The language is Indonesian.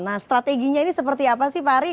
nah strateginya ini seperti apa sih pak ari